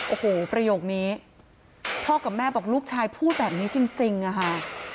โอ้โหประโยคนี้พ่อกับแม่บอกลูกชายพูดแบบนี้จริงอะค่ะ